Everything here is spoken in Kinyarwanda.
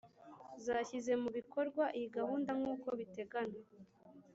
zashyize mu bikorwa iyi gahunda nk uko biteganywa